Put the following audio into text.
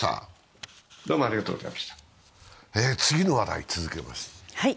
次の話題、続けます。